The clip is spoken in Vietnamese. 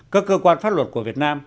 các cơ quan pháp luật của việt nam